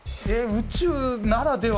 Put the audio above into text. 宇宙ならでは？